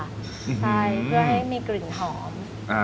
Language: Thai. ใช่เพื่อให้มีกลิ่นหอม